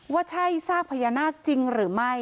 ว่าใช่ซากพญานาคจริงหรือไม่